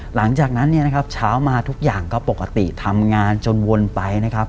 หลังจากนั้นเนี่ยนะครับเช้ามาทุกอย่างก็ปกติทำงานจนวนไปนะครับ